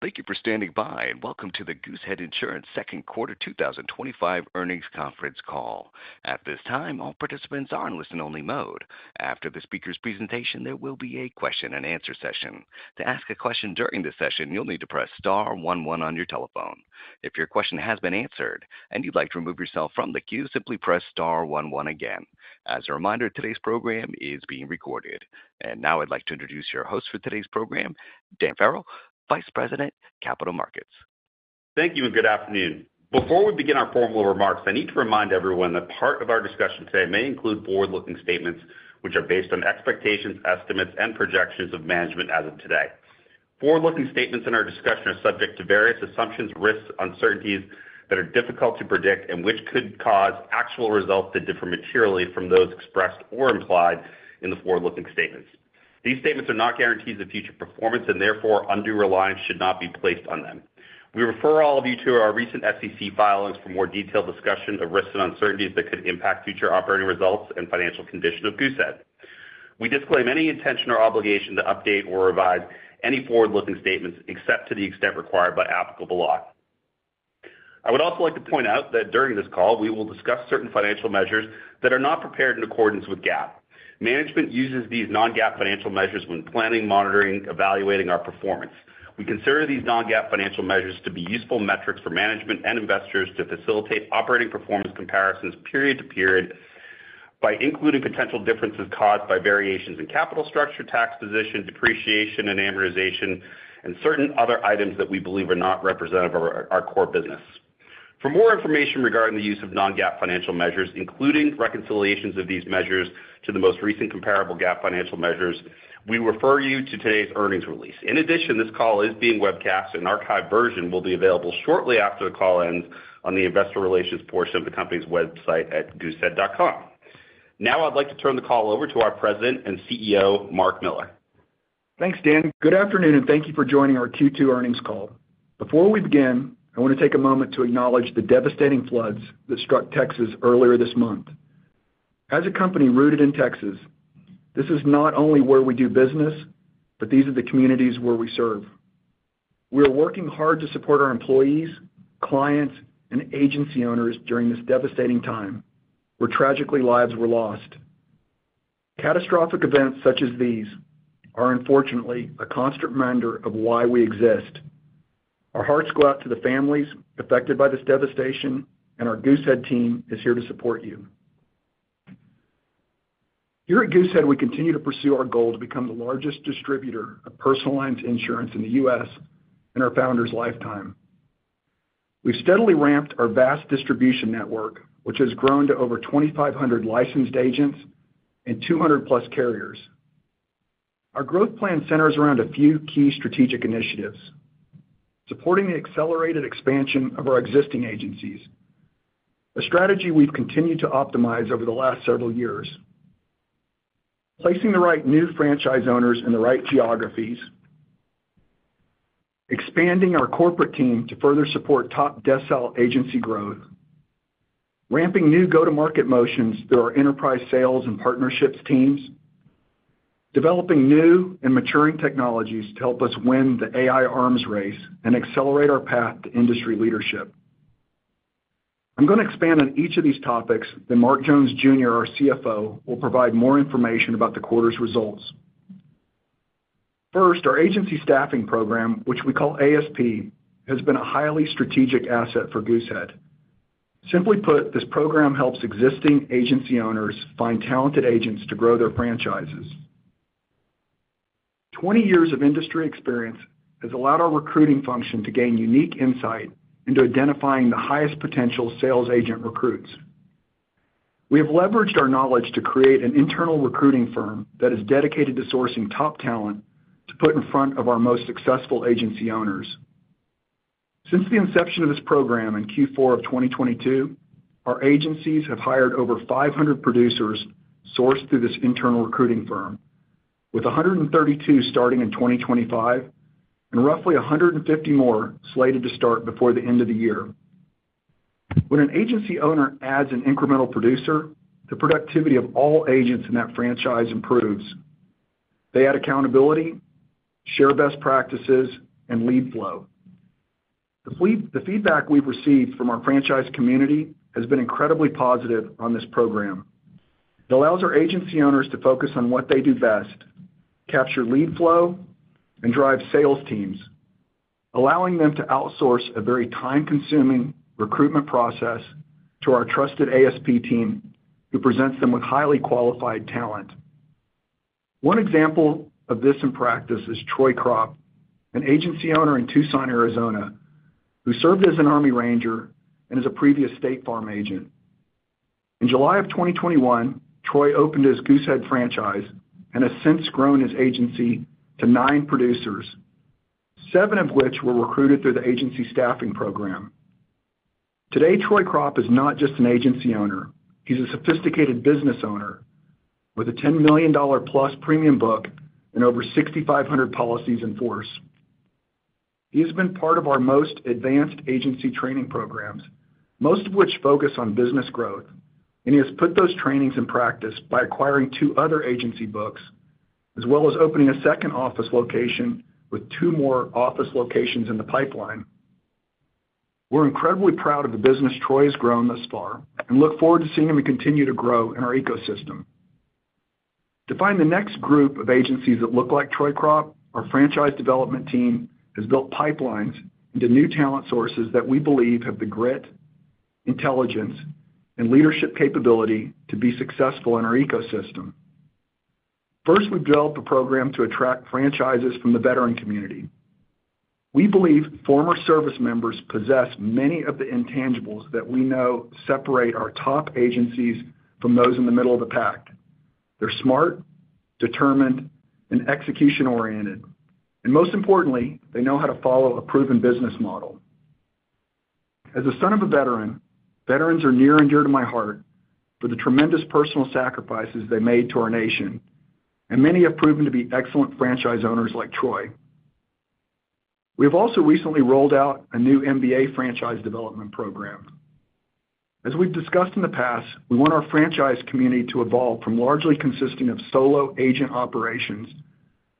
Thank you for standing by and welcome to the Goosehead Insurance Second Quarter 2025 Earnings Conference Call. At this time, all participants are in listen-only mode. After the speaker's presentation, there will be a question and answer session. To ask a question during this session, you'll need to press star one one on your telephone. If your question has been answered and you'd like to remove yourself from the queue, simply press star one one again. As a reminder, today's program is being recorded. Now I'd like to introduce your host for today's program, Dan Farrell, Vice President, Capital Markets. Thank you and good afternoon. Before we begin our formal remarks, I need to remind everyone that part of our discussion today may include forward-looking statements which are based on expectations, estimates, and projections of management. As of today, forward-looking statements in our discussion are subject to various assumptions, risks, and uncertainties that are difficult to predict and which could cause actual results to differ materially from those expressed or implied in the forward-looking statements. These statements are not guarantees of future performance and therefore undue reliance should not be placed on them. We refer all of you to our recent SEC filings for more detailed discussion of risks and uncertainties that could impact future operating results and financial condition of Goosehead Insurance. We disclaim any intention or obligation to update or revise any forward-looking statements except to the extent required by applicable law. I would also like to point out that during this call we will discuss certain financial measures that are not prepared in accordance with GAAP. Management uses these non-GAAP financial measures when planning, monitoring, evaluating our performance. We consider these non-GAAP financial measures to be useful metrics for management and investors to facilitate operating performance comparisons period to period by including potential differences caused by variations in capital structure, tax position, depreciation and amortization, and certain other items that we believe are not representative of our core business. For more information regarding the use of non-GAAP financial measures, including reconciliations of these measures to the most recent comparable GAAP financial measures. We refer you to today's earnings release. In addition, this call is being webcast. An archived version will be available shortly after the call ends on the investor relations portion of the company's website at goosehead.com. Now I'd like to turn the call over to our President and CEO, Mark Miller. Thanks, Dan. Good afternoon and thank you for joining our Q2 earnings call. Before we begin, I want to take a moment to acknowledge the devastating floods that struck Texas earlier this month. As a company rooted in Texas, this is not only where we do business, but these are the communities where we serve. We are working hard to support our employees, clients, and agency owners during this devastating time where, tragically, lives were lost. Catastrophic events such as these are unfortunately a constant reminder of why we exist. Our hearts go out to the families affected by this devastation and our Goosehead team is here to support you. Here at Goosehead, we continue to pursue our goal to become the largest distributor of personal lines insurance in the U.S. in our founder's lifetime. We've steadily ramped our vast distribution network, which has grown to over 2,500 licensed agents and 200+ carriers. Our growth plan centers around a few key strategic initiatives supporting the accelerated expansion of our existing agencies, a strategy we've continued to optimize over the last several years. Placing the right new franchise owners in the right geographies, expanding our corporate team to further support top decile agency growth, ramping new go to market motions through our enterprise sales and partnerships teams, developing new and maturing technologies to help us win the AI arms race and accelerate our path to industry leadership. I'm going to expand on each of these topics. Mark Jones Jr., our CFO, will provide more information about the quarter's results. First, our Agency Staffing Program, which we call ASP, has been a highly strategic asset for Goosehead. Simply put, this program helps existing agency owners find talented agents to grow their franchises. Twenty years of industry experience has allowed our recruiting function to gain unique insight into identifying the highest potential sales agent recruits. We have leveraged our knowledge to create an internal recruiting firm that is dedicated to sourcing top talent to put in front of our most successful agency owners. Since the inception of this program in Q4 of 2022, our agencies have hired over 500 producers sourced through this internal recruiting firm, with 132 starting in 2025 and roughly 150 more slated to start before the end of the year. When an agency owner adds an incremental producer, the productivity of all agents in that franchise improves. They add accountability, share best practices, and lead flow. The feedback we've received from our franchise community has been incredibly positive on this program. It allows our agency owners to focus on what they do best, capture lead flow, and drive sales teams, allowing them to outsource a very time-consuming recruitment process to our trusted ASP team who presents them with highly qualified talent. One example of this in practice is Troy Cropp, an agency owner in Tucson, Arizona, who served as an Army Ranger and as a previous State Farm agent. In July of 2021, Troy opened his Goosehead franchise and has since grown his agency to nine producers, seven of which were recruited through the Agency Staffing Program. Today, Troy Cropp is not just an agency owner, he's a sophisticated business owner with a $10 million + premium book and over 6,500 policies in force. He has been part of our most advanced agency training programs, most of which focus on business growth, and he has put those trainings in practice by acquiring two other agency books as well as opening a second office location with two more office locations in the pipeline. We're incredibly proud of the business Troy has grown thus far and look forward to seeing him continue to grow in our ecosystem. To find the next group of agencies that look like Troy Cropp, our franchise development team has built pipelines into new talent sources that we believe have the grit, intelligence, and leadership capability to be successful in our ecosystem. First, we've developed a program to attract franchises from the veteran community. We believe former service members possess many of the intangibles that we know separate our top agencies from those in the middle of the pack. They're smart, determined, and execution oriented, and most importantly, they know how to follow a proven business model. As a son of a veteran, veterans are near and dear to my heart for the tremendous personal sacrifices they made to our nation, and many have proven to be excellent franchise owners like Troy. We have also recently rolled out a new MBA Franchise development program. As we've discussed in the past, we want our franchise community to evolve from largely consisting of solo agent operations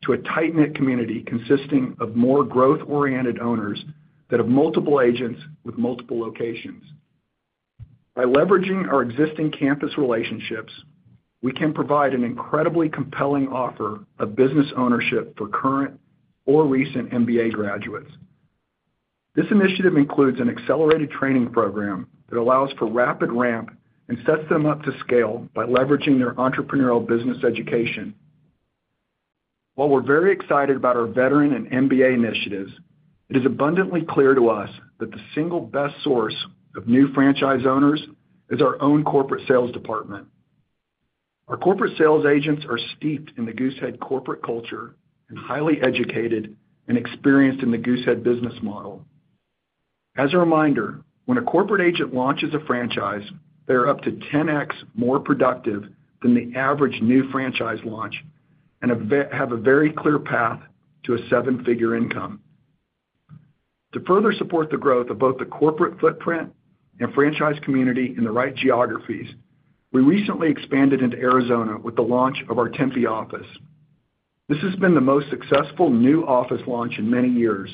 to a tight-knit community consisting of more growth-oriented owners that have multiple agents with multiple locations. By leveraging our existing campus relationships, we can provide an incredibly compelling offer of business ownership for current or recent MBA graduates. This initiative includes an accelerated training program that allows for rapid ramp and sets them up to scale by leveraging their entrepreneurial business education. While we're very excited about our veteran and MBA initiatives, it is abundantly clear to us that the single best source of new franchise owners is our own corporate sales department. Our corporate sales agents are steeped in the Goosehead corporate culture and highly educated and experienced in the Goosehead business model. As a reminder, when a corporate agent launches a franchise, they're up to 10x more productive than the average new franchise launch and have a very clear path to a seven figure income. To further support the growth of both the corporate footprint and franchise community in the right geographies, we recently expanded into Arizona with the launch of our Tempe office. This has been the most successful new office launch in many years.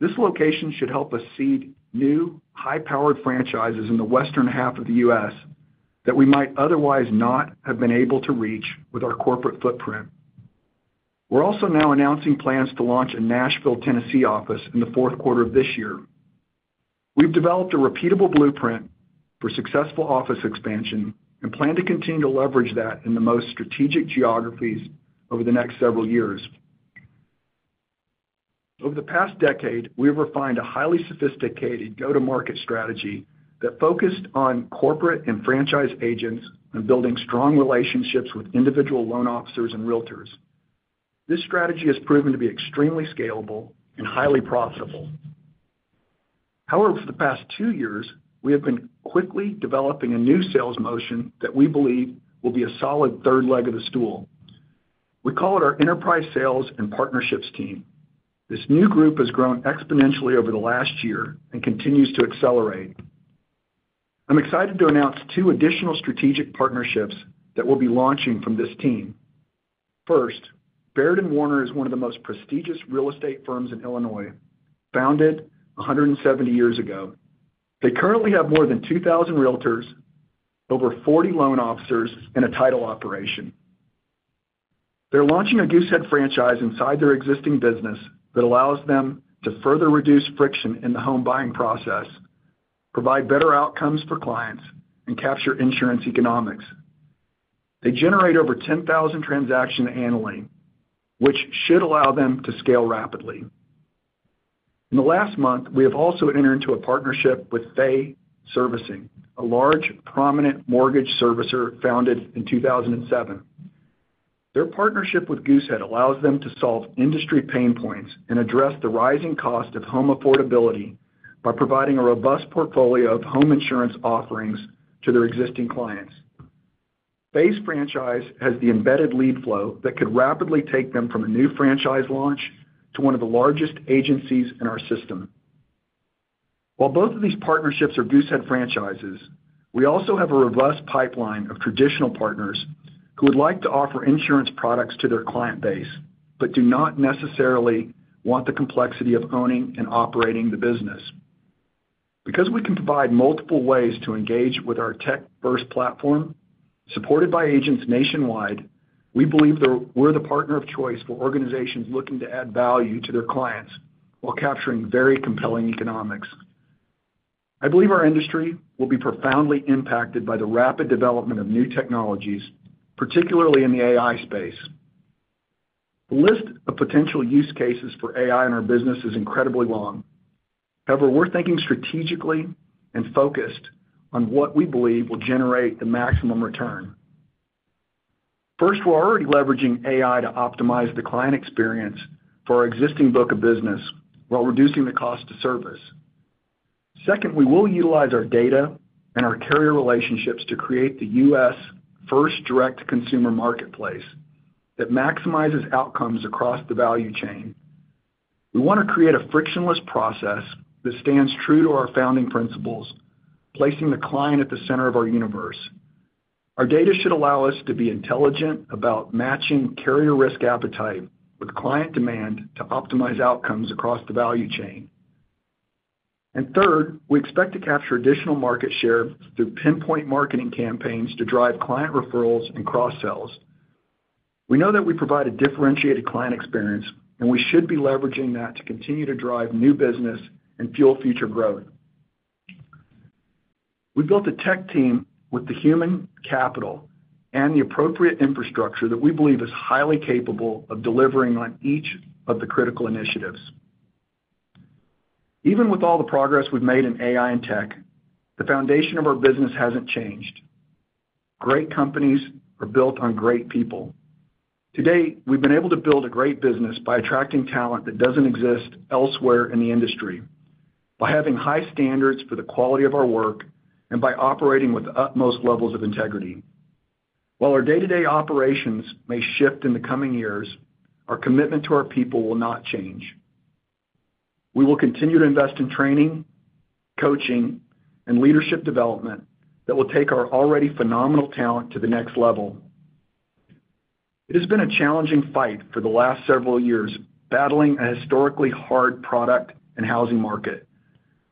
This location should help us seed new high powered franchises in the western half of the U.S. that we might otherwise not have been able to reach with our corporate footprint. We're also now announcing plans to launch a Nashville, Tennessee office in the fourth quarter of this year. We've developed a repeatable blueprint for successful office expansion and plan to continue to leverage that in the most strategic geographies over the next several years. Over the past decade, we refined a highly sophisticated go to market strategy that focused on corporate and franchise agents and building strong relationships with individual loan officers and Realtors. This strategy has proven to be extremely scalable and highly profitable. However, for the past two years we have been quickly developing a new sales motion that we believe will be a solid third leg of the stool. We call it our Enterprise Sales and Partnerships team. This new group has grown exponentially over the last year and continues to accelerate. I'm excited to announce two additional strategic partnerships that we'll be launching from this team. First, Baird & Warner is one of the most prestigious real estate firms in Illinois. Founded 170 years ago, they currently have more than 2,000 Realtors, over 40 loan officers, and a title operation. They're launching a Goosehead franchise inside their existing business that allows them to further reduce friction in the home buying process, provide better outcomes for clients, and capture insurance economics. They generate over 10,000 transactions annually, which should allow them to scale rapidly. In the last month, we have also entered into a partnership with Fay Servicing, a large prominent mortgage servicer founded in 2007. Their partnership with Goosehead allows them to solve industry pain points and address the rising cost of home affordability by providing a robust portfolio of home insurance offerings to their existing clients. Base Franchise has the embedded lead flow that could rapidly take them from a new franchise launch to one of the largest agencies in our system. While both of these partnerships are Goosehead franchises, we also have a robust pipeline of traditional partners who would like to offer insurance products to their client base but do not necessarily want the complexity of owning and operating the business. Because we can provide multiple ways to engage with our tech-first platform supported by agents nationwide, we believe we're the partner of choice for organizations looking to add value to their clients while capturing very compelling economics. I believe our industry will be profoundly impacted by the rapid development of new technologies, particularly in the AI space. The list of potential use cases for AI in our business is incredibly long. However, we're thinking strategically and focused on what we believe will generate the maximum return. First, we're already leveraging AI to optimize the client experience for our existing book of business while reducing the cost of service. Second, we will utilize our data and our carrier relationships to create the U.S. first direct-to-consumer marketplace that maximizes outcomes across the value chain. We want to create a frictionless process that stands true to our founding principles, placing the client at the center of our universe. Our data should allow us to be intelligent about matching carrier risk appetite with client demand to optimize outcomes across the value chain. Third, we expect to capture additional market share through pinpoint marketing campaigns to drive client referrals and cross-sells. We know that we provide a differentiated client experience and we should be leveraging that to continue to drive new business and fuel future growth. We built a tech team with the human capital and the appropriate infrastructure that we believe is highly capable of delivering on each of the critical initiatives. Even with all the progress we've made in AI and tech, the foundation of our business hasn't changed. Great companies are built on great people. Today we've been able to build a great business by attracting talent that doesn't exist elsewhere in the industry, by having high standards for the quality of our work, and by operating with the utmost levels of integrity. While our day to day operations may shift in the coming years, our commitment to our people will not change. We will continue to invest in training, coaching, and leadership development that will take our already phenomenal talent to the next level. It has been a challenging fight for the last several years, battling a historically hard product and housing market,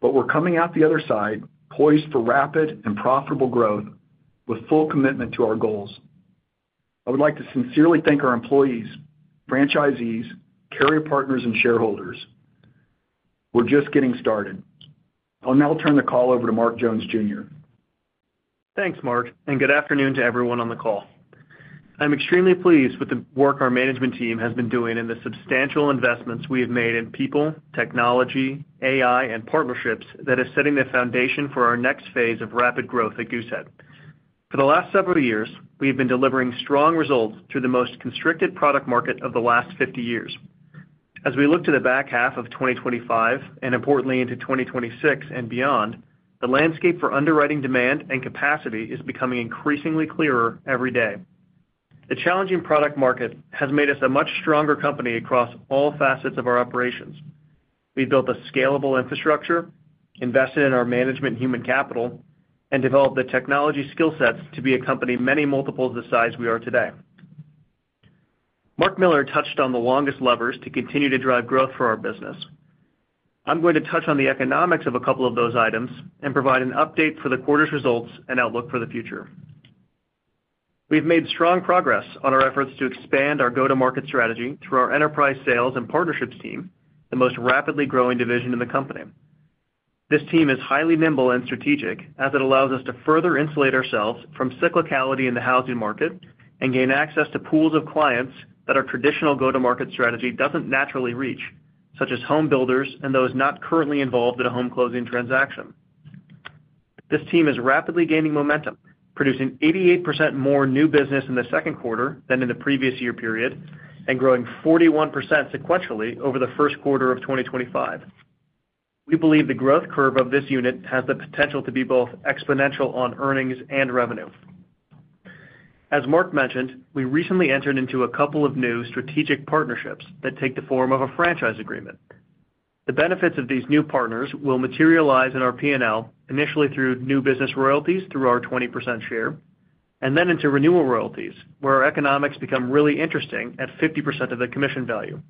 but we're coming out the other side, poised for rapid and profitable growth with full commitment to our goals. I would like to sincerely thank our employees, franchisees, carrier partners, and shareholders. We're just getting started. I'll now turn the call over to Mark Jones Jr. Thanks Mark, and good afternoon to everyone on the call. I'm extremely pleased with the work our management team has been doing and the substantial investments we have made in people, technology, AI, and partnerships that is setting the foundation for our next phase of rapid growth at Goosehead Insurance. For the last several years, we have been delivering strong results through the most constricted product market of the last 50 years. As we look to the back half of 2025 and, importantly, into 2026 and beyond, the landscape for underwriting demand and capacity is becoming increasingly clearer every day. The challenging product market has made us a much stronger company across all facets of our operations. We built a scalable infrastructure, invested in our management and human capital, and developed the technology skill sets to be a company many multiples the size we are today. Mark Miller touched on the longest levers to continue to drive growth for our business. I'm going to touch on the economics of a couple of those items and provide an update for the quarter's results and outlook for the future. We've made strong progress on our efforts to expand our go-to-market strategy through our Enterprise Sales and Partnerships team, the most rapidly growing division in the company. This team is highly nimble and strategic, as it allows us to further insulate ourselves from cyclicality in the housing market and gain access to pools of clients that our traditional go-to-market strategy doesn't naturally reach, such as home builders and those not currently involved in a home closing transaction. This team is rapidly gaining momentum, producing 88% more new business in the second quarter than in the previous year period and growing 41% sequentially over the first quarter of 2025. We believe the growth curve of this unit has the potential to be both exponential on earnings and revenue. As Mark mentioned, we recently entered into a couple of new strategic partnerships that take the form of a franchise agreement. The benefits of these new partners will materialize in our P&L initially through new business royalties, through our 20% share, and then into renewal royalties where economics become really interesting at 50% of the commission value.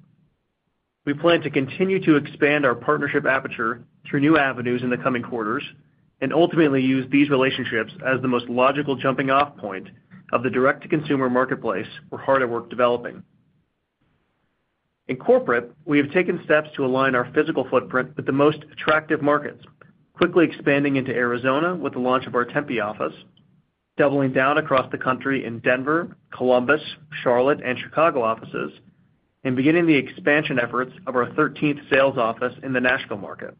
We plan to continue to expand our partnership aperture through new avenues in the coming quarters and ultimately use these relationships as the most logical jumping off point of the direct-to-consumer marketplace for hard at work developing. In corporate, we have taken steps to align our physical footprint with the most attractive markets, quickly expanding into Arizona with the launch of our Tempe office, doubling down across the country in Denver, Columbus, Charlotte, and Chicago offices, and beginning the expansion efforts of our 13th sales office in the Nashville market.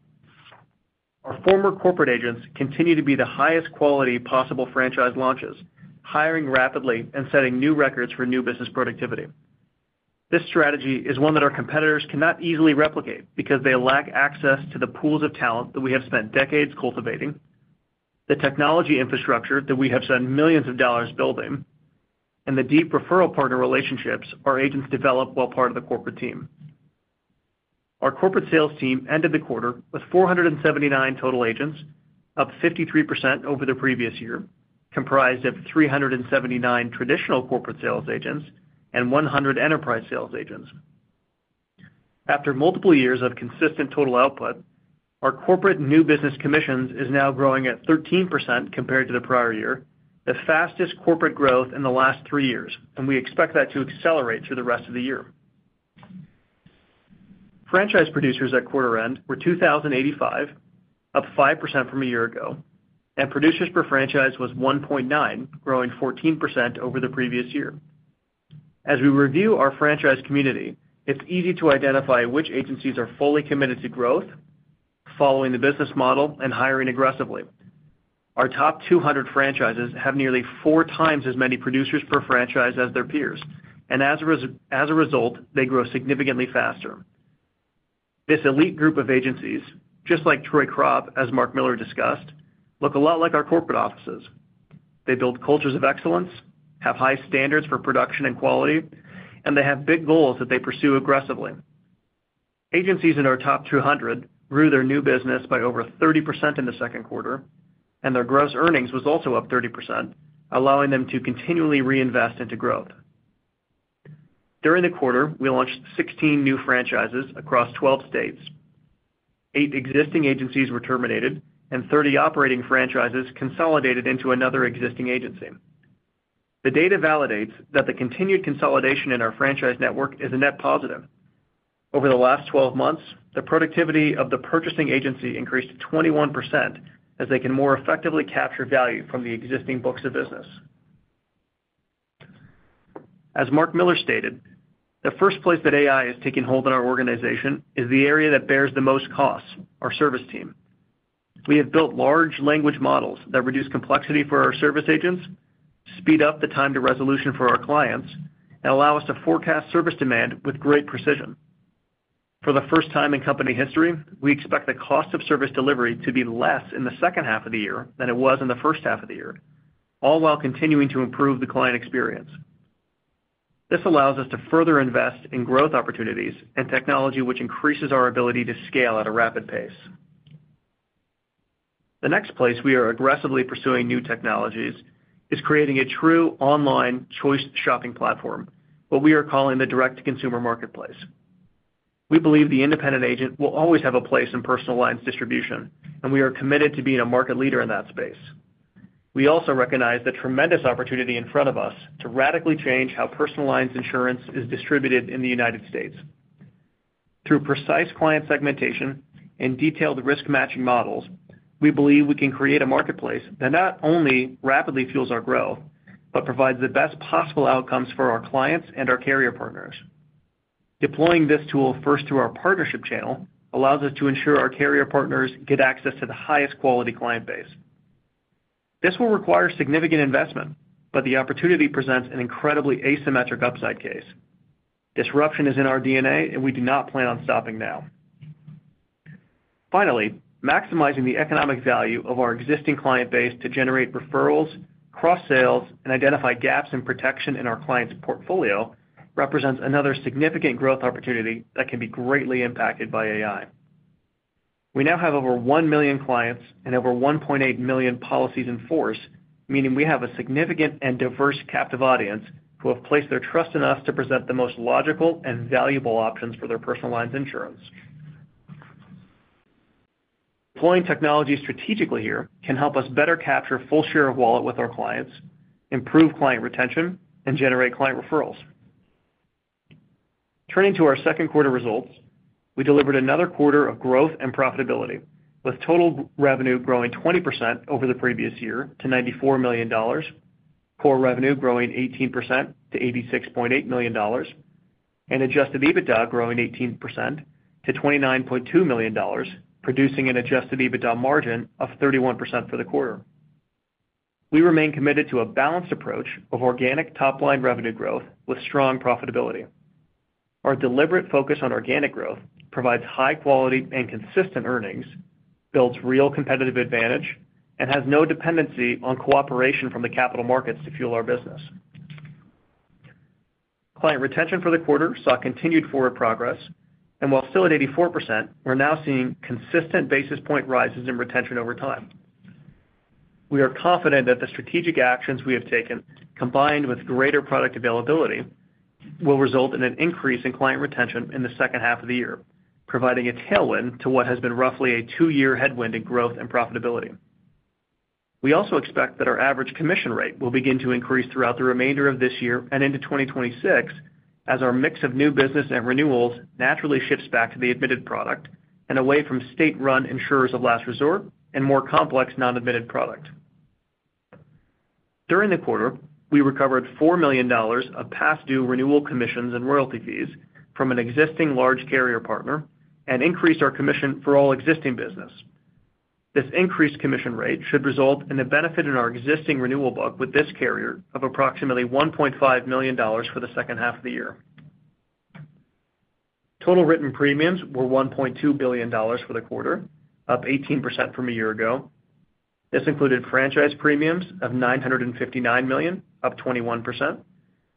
Our former corporate agents continue to be the highest quality possible franchise launches, hiring rapidly and setting new records for new business productivity. This strategy is one that our competitors cannot easily replicate because they lack access to the pools of talent that we have spent decades cultivating, the technology infrastructure that we have spent millions of dollars building, and the deep referral partner relationships our agents develop while part of the corporate team. Our corporate sales team ended the quarter with 479 total agents, up 53% over the previous year, comprised of 379 traditional corporate sales agents and 100 enterprise sales agents. After multiple years of consistent total output, our corporate new business commissions is now growing at 13% compared to the prior year, the fastest corporate growth in the last three years, and we expect that to accelerate through the rest of the year. Franchise producers at quarter end were 2,085, up 5% from a year ago, and producers per franchise was 1.9, growing 14% over the previous year. As we review our franchise community, it's easy to identify which agencies are fully committed to growth, following the business model and hiring aggressively. Our top 200 franchises have nearly 4x as many producers per franchise as their peers, and as a result, they grow significantly faster. This elite group of agencies, just like Troy Cropp, as Mark Miller discussed, look a lot like our corporate offices. They build cultures of excellence, have high standards for production and quality, and they have big goals that they pursue aggressively. Agencies in our top 200 grew their new business by over 30% in the second quarter, and their gross earnings was also up 30%, allowing them to continually reinvest into growth. During the quarter, we launched 16 new franchises across 12 states. Eight existing agencies were terminated, and 30 operating franchises consolidated into another existing agency. The data validates that the continued consolidation in our franchise network is a net positive. Over the last 12 months, the productivity of the purchasing agency increased 21% as they can more effectively capture value from the existing books of business. As Mark Miller stated, the first place that AI is taking hold in our organization is the area that bears the most costs: our service team. We have built large language models that reduce complexity for our service agents, speed up the time to resolution for our clients, and allow us to forecast service demand with great precision. For the first time in company history, we expect the cost of service delivery to be less in the second half of the year than it was in the first half of the year, all while continuing to improve the client experience. This allows us to further invest in growth opportunities and technology, which increases our ability to scale at a rapid pace. The next place we are aggressively pursuing new technologies is creating a true online choice shopping platform, what we are calling the direct-to-consumer marketplace. We believe the independent agent will always have a place in personal lines insurance distribution, and we are committed to being a market leader in that space. We also recognize the tremendous opportunity in front of us to radically change how personal lines insurance is distributed in the United States. Through precise client segmentation and detailed risk matching models, we believe we can create a marketplace that not only rapidly fuels our growth, but provides the best possible outcomes for our clients and our carrier partners. Deploying this tool first to our partnership channel allows us to ensure our carrier partners get access to the highest quality client base. This will require significant investment, but the opportunity presents an incredibly asymmetric upside. Case disruption is in our DNA, and we do not plan on stopping now. Finally, maximizing the economic value of our existing client base to generate referrals, cross sales, and identify gaps in protection in our client's portfolio represents another significant growth opportunity that can be greatly impacted by AI. We now have over 1 million clients and over 1.8 million policies in force, meaning we have a significant and diverse captive audience who have placed their trust in us to present the most logical and valuable options for their personal lines insurance. Deploying technology strategically here can help us better capture full share of wallet with our clients, improve Client retention, and generate client referrals. Turning to our second quarter results, we delivered another quarter of growth and profitability with total revenue growing 20% over the previous year to $94 million, core revenue growing 18% to $86.8 million, and Adjusted EBITDA growing 18% to $29.2 million, producing an Adjusted EBITDA margin of 31% for the quarter. We remain committed to a balanced approach of organic top line revenue growth with strong profitability. Our deliberate focus on organic growth provides high quality and consistent earnings, builds real competitive advantage, and has no dependency on cooperation from the capital markets to fuel our business. Client retention for the quarter saw continued forward progress and, while still at 84%, we're now seeing consistent basis point rises in retention over time. We are confident that the strategic actions we have taken combined with greater product availability will result in an increase in Client retention in the second half of the year, providing a tailwind to what has been roughly a two year headwind in growth and profitability. We also expect that our average commission rate will begin to increase throughout the remainder of this year and into 2026 as our mix of new business and renewals naturally shifts back to the admitted product and away from state-run insurers of last resort and more complex non-admitted product. During the quarter, we recovered $4 million of past due renewal commissions and royalty fees from an existing large carrier partner and increased our commission for all existing business. This increased commission rate should result in the benefit in our existing renewal book with this carrier of approximately $1.5 million for the second half of the year. Total written premiums were $1.2 billion for the quarter, up 18% from a year ago. This included franchise premiums of $959 million, up 21%,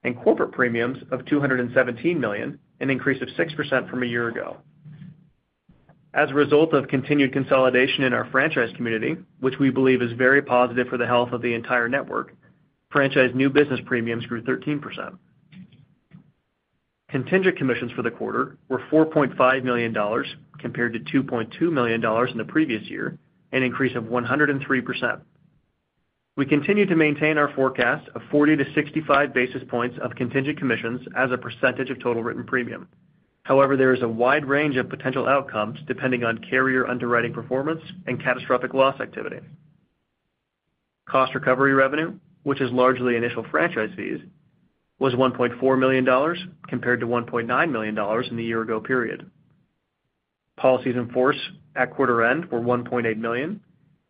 and corporate premiums of $217 million, an increase of 6% from a year ago as a result of continued consolidation in our franchise community, which we believe is very positive for the health of the entire network. Franchise new business premiums grew 13%. Contingent commissions for the quarter were $4.5 million compared to $2.2 million in the previous year, an increase of 103%. We continue to maintain our forecast of 40 basis points-65 basis points of Contingent commissions as a percentage of total written premium. However, there is a wide range of potential outcomes depending on carrier underwriting performance and catastrophic loss activity. Cost recovery revenue, which is largely initial franchise fees, was $1.4 million compared to $1.9 million in the year-ago period. Policies in force at quarter end were 1.8 million,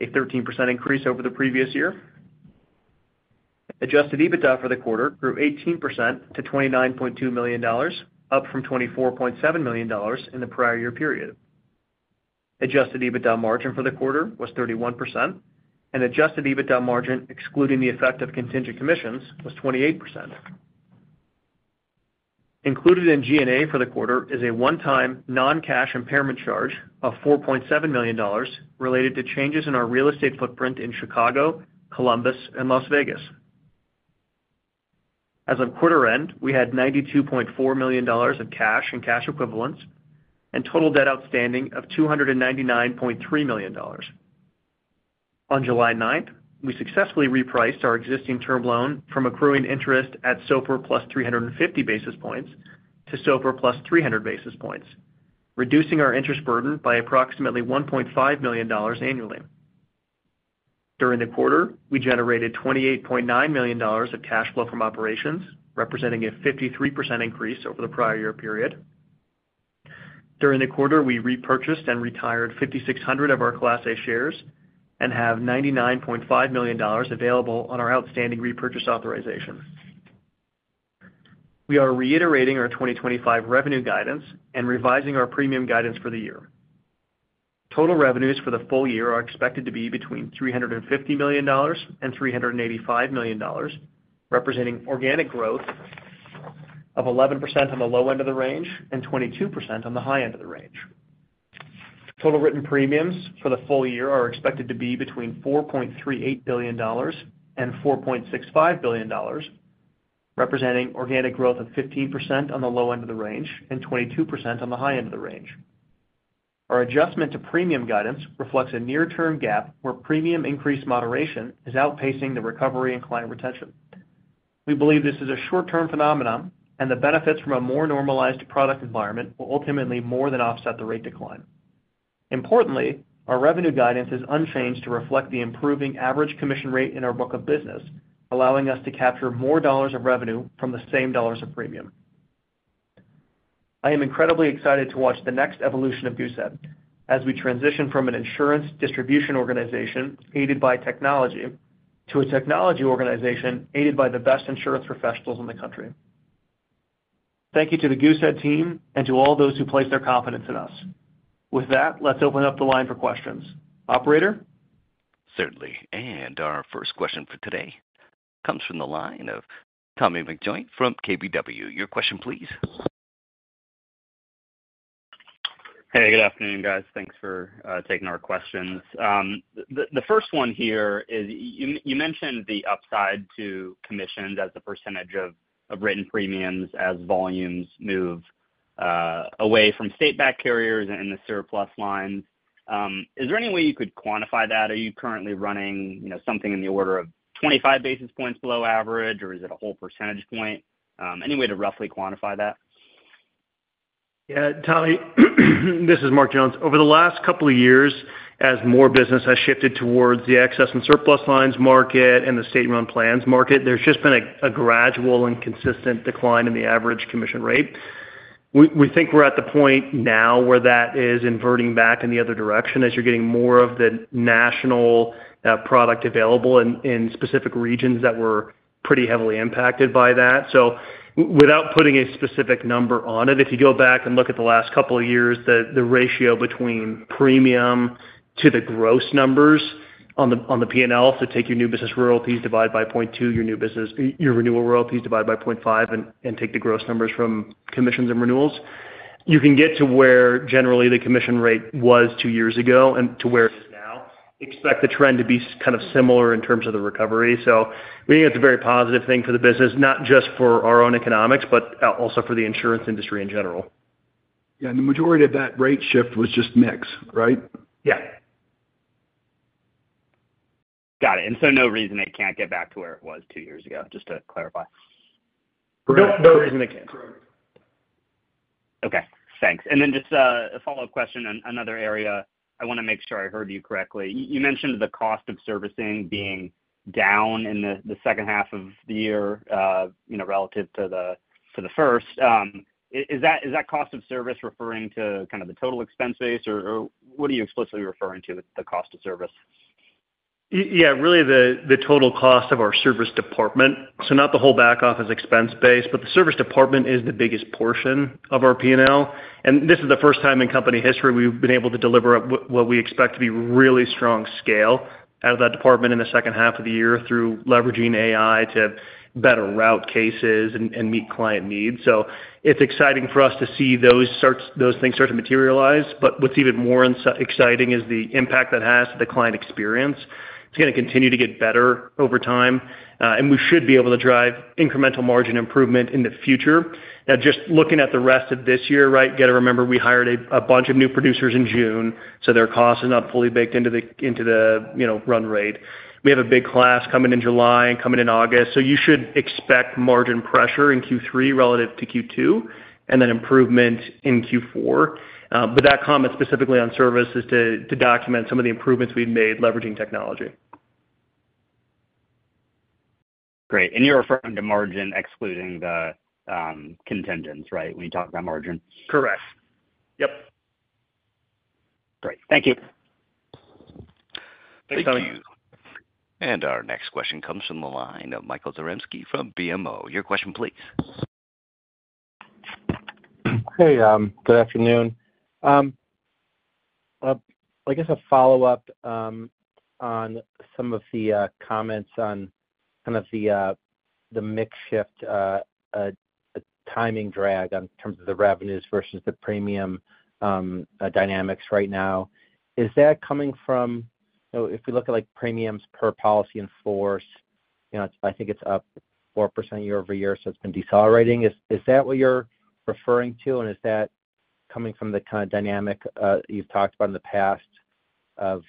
a 13% increase over the previous year. Adjusted EBITDA for the quarter grew 18% to $29.2 million, up from $24.7 million in the prior year period. Adjusted EBITDA margin for the quarter was 31%, and Adjusted EBITDA margin excluding the effect of Contingent commissionswas 28%. Included in G&A for the quarter is a one-time non-cash impairment charge of $4.7 million related to changes in our real estate footprint in Chicago, Columbus, and Las Vegas. As of quarter end, we had $92.4 million of cash and cash equivalents and total debt outstanding of $299.3 million. On July 9th, we successfully repriced our existing term loan from accruing interest at SOFR plus 350 basis points-SOFR plus 300 basis points, reducing our interest burden by approximately $1.5 million annually. During the quarter, we generated $28.9 million of cash flow from operations, representing a 53% increase over the prior year period. During the quarter, we repurchased and retired 5,600 of our Class A shares and have $99.5 million available on our outstanding repurchase authorization. We are reiterating our 2025 revenue guidance and revising our premium guidance for the year. Total revenues for the full year are expected to be between $350 million and $385 million, representing organic growth of 11% on the low end of the range and 22% on the high end of the range. Total written premiums for the full year are expected to be between $4.38 billion and $4.65 billion, representing organic growth of 15% on the low end of the range and 22% on the high end of the range. Our adjustment to premium guidance reflects a near-term gap where premium increase moderation is outpacing the recovery in Client retention. We believe this is a short-term phenomenon, and the benefits from a more normalized product environment will ultimately more than offset the rate decline. Importantly, our revenue guidance is unchanged to reflect the improving average commission rate in our book of business, allowing us to capture more dollars of revenue from the same dollars of premium. I am incredibly excited to watch the next evolution of Goosehead as we transition from an insurance distribution organization aided by technology to a technology organization aided by the best insurance professionals in the country. Thank you to the Goosehead team. To all those who placed their confidence. In us with that, let's open up the line for questions. Operator. Certainly. Our first question for today comes from the line of Tommy McJoynt from KBW. Your question please. Hey, good afternoon, guys. Thanks for taking our questions. The first one here is you mentioned the upside to commissions as a percentage of written premiums as volumes move away from state-run and surplus lines. Is there any way you could quantify that? Are you currently running something in the order of 25 basis points below average or is it a whole percentage point? Any way to roughly quantify that? Tommy, this is Mark Jones Jr. over the last couple of years, as more business has shifted towards the excess and surplus lines market and the state-run plans market, there's just been a gradual and consistent decline in the average commission rate. We think we're at the point now where that is inverting back in the other direction as you're getting more of the national product available in specific regions that were pretty heavily impacted by that. Without putting a specific number on it, if you go back and look at the last couple of years, the ratio between premium to the gross numbers on the P&L. Take your new business royalties, divide by 0.2, your new business, your renewal royalties, divide by 0.5. Take the gross numbers from commissions. Renewals, you can get to where generally the commission rate was two years ago and to where it is now. Expect the trend to be kind of similar in terms of the recovery. We think it's a very positive thing for the business, not just for our own economics, but also for the insurance industry in general. Yeah, the majority of that rate shift was just mix, right? Yeah. Got it. There is no reason it can't get back to where it was two years ago. Just to clarify, okay, thanks. Then just a follow up question. Another area I want to make sure. I heard you correctly. You mentioned the cost of servicing being down in the second half of the year. Year, you know, relative to the first. Is that cost of service referring to kind of the total expense base, or what are you explicitly referring? To the cost of service. Yeah, really the total cost of our service department. Not the whole back office expense base, but the service department is the biggest portion of our P&L. This is the first time in company history we've been able to deliver what we expect to be really strong scale out of that department in the second half of the year through leveraging AI to better route cases and meet client needs. It's exciting for us to see those things start to materialize. What's even more exciting is the impact that has on the client experience. It's going to continue to get better over time, and we should be able to drive incremental margin improvement in the future. Now, just looking at the rest of this year. Right. Got to remember, we hired a bunch of new producers in June, so their cost is not fully baked into the run rate. We have a big class coming in July and coming in August. You should expect margin pressure in Q3 relative to Q2, and then improvement in Q4. That comment specifically on service is to document some of the improvements we've made leveraging technology. Great. You're referring to margin excluding the contingents, right? When you talk about margin. Correct. Yeah. Great. Thank you. Thanks. Tommy. Thank you. Our next question comes from the line of Michael Zaremski from BMO Capital Markets. Your question, please. Hey, good afternoon. I guess a follow-up on some of the comments on the mix shift, timing drag in terms of the revenues versus the premium dynamics right now. Is that coming from, if we look at like premiums per policy in force, I think it's up 4% year-over-year. It's been decelerating. Is that what you're referring to? Is that coming from the kind of dynamic you've talked about in the past of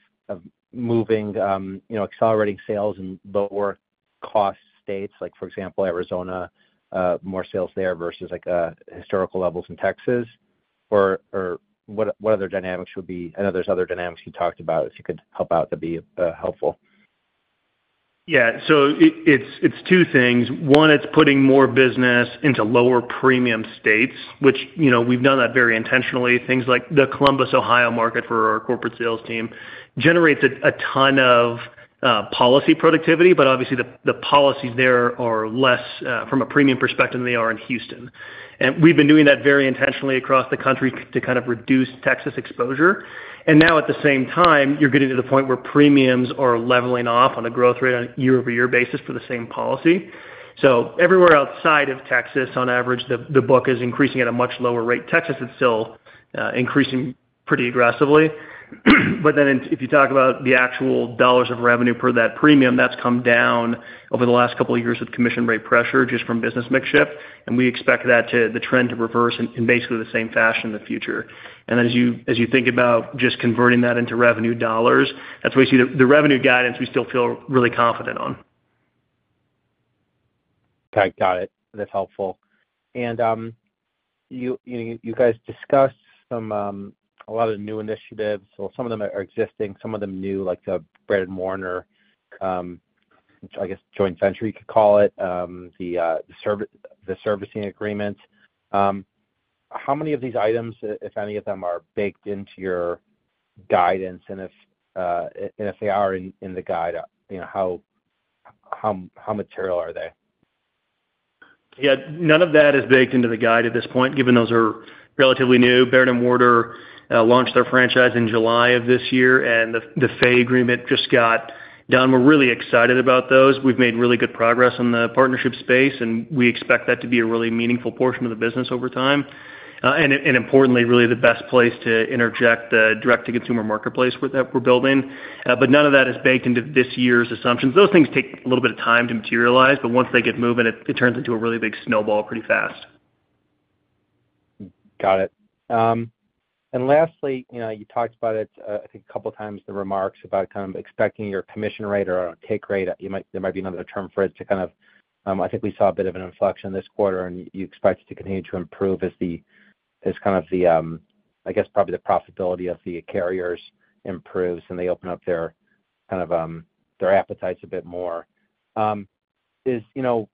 moving, you know, accelerating sales in lower cost states, like, for example, Arizona, more sales there versus historical levels in Texas, or what other dynamics would be. I know there are other dynamics you talked about. If you could help out, that'd be helpful. Yeah. It's two things. One, it's putting more business into lower premium states, which, you know, we've done that very intentionally. Things like the Columbus, Ohio market for our corporate sales team generates a ton of policy productivity, but obviously the policies there are less from a premium perspective than they are in Houston. We've been doing that very intentionally across the country to kind of reduce Texas exposure. At the same time, you're getting to the point where premiums are leveling off on a growth rate on a year-over-year basis for the same policy. Everywhere outside of Texas, on average, the book is increasing at a much lower rate. Texas is still increasing pretty aggressively. If you talk about the actual dollars of revenue per that premium, that's come down over the last couple. Of years of commission rate pressure just from business mix shift, and we expect. That to the trend to reverse in basically the same fashion in the future. As you think about just converting that into revenue dollars, that's why you see the revenue guidance we still feel really confident on. Okay, got it. That's helpful. You guys discussed a lot of new initiatives. Some of them are existing, some of them new, like the Baird & Warner, I guess, joint venture, you could call it the servicing agreement. How many of these items, if any of them, are baked into your guidance, and if they are in the guide, how material are they? Yeah, none of that is baked into the guide at this point, given those are relatively new. Baird & Warner launched their franchise in July of this year and the Fay Servicing agreement just got done. We're really excited about those. We've made really good progress in the partnership space and we expect that to be a really meaningful portion of the business over time. Importantly, really the best place to interject the direct-to-consumer marketplace that we're building. None of that is baked into this year's assumptions. Those things take a little bit of time to materialize, but once they get moving, it turns into a really big snowball pretty fast. Got it. Lastly, you talked about it, I think a couple times, the remarks about expecting your commission rate or take rate, there might be another term for it to kind of. I think we saw a bit of an inflection this quarter. You expect it to continue to improve as the, as kind of the, I guess probably the profitability of the carriers improves and they open up their kind of their appetites a bit more. Is, you know,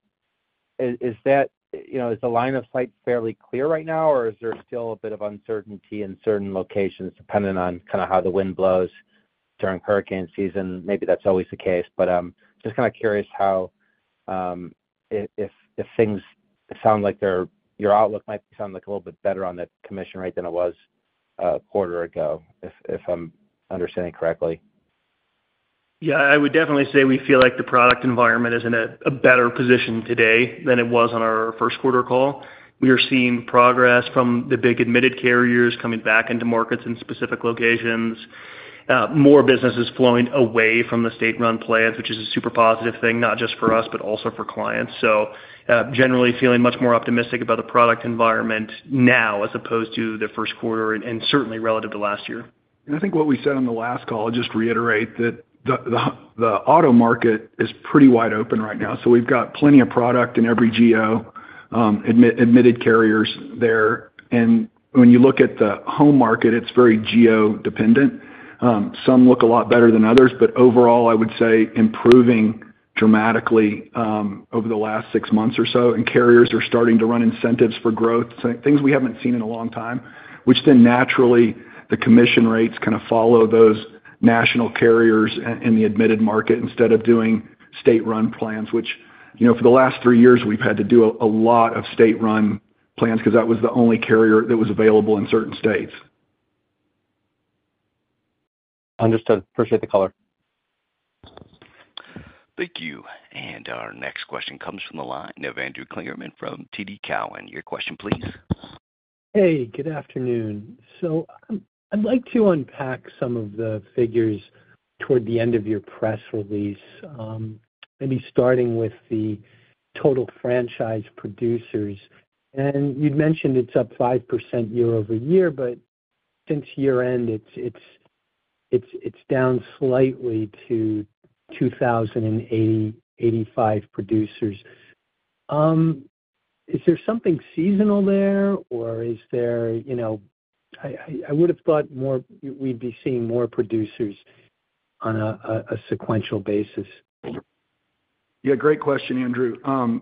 is that, you know, is the line of sight fairly clear right now or is there still a bit of uncertainty in certain locations depending on kind of how the wind blows during hurricane season? Maybe that's always the case. Just kind of curious how if things sound like they're, your outlook might sound like a little bit better on the commission rate than it was a quarter ago, if I'm understanding correctly. Yeah, I would definitely say we feel like the product environment is in a better position today than it was. Our first quarter call we are seeing progress from the big admitted carriers coming back into markets in specific locations. More business is flowing away from the state-run plans, which is a super positive thing not just for us but also for clients. Generally feeling much more optimistic about the product environment now as opposed to the first quarter, and certainly relative to last year. I think what we said on the last call, I'll just reiterate that the auto market is pretty wide open right now. We've got plenty of product in every geo, admitted carriers there. When you look at the home market, it's very geo-dependent. Some look a lot better than others, but overall I would say improving dramatically over the last six months or so. Carriers are starting to run incentives for growth, things we haven't seen in a long time, which then naturally the commission rates kind of follow those national carriers in the admitted market. Instead of doing state-run plans, which for the last three years we've had to do a lot of state-run because that was the only carrier that was available in certain states. Understood. Appreciate the color. Thank you. Our next question comes from the line of Andrew Kligerman from TD Cowen. Your question please. Hey, good afternoon. I'd like to unpack some of the figures toward the end of your press release, maybe starting with the total franchise producers. You'd mentioned it's up 5% year-over-year, but since year end it's down slightly to 2,085 producers. Is there something seasonal there? I would have thought we'd be seeing more producers on a sequential basis. Yeah, great question, Andrew.